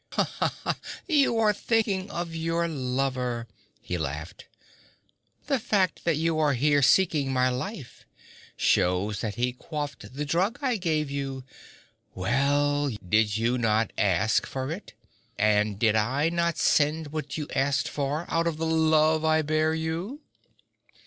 'You are thinking of your lover,' he laughed. 'The fact that you are here seeking my life shows that he quaffed the drug I gave you. Well, did you not ask for it? And did I not send what you asked for, out of the love I bear you?'